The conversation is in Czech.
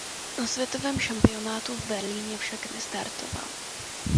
Na světovém šampionátu v Berlíně však nestartoval.